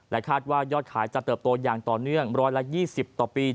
คาดว่ายอดขายจะเติบโตอย่างต่อเนื่อง๑๒๐ต่อปี